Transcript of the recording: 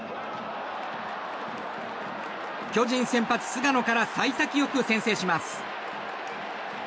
巨人先発、菅野から幸先よく先制します。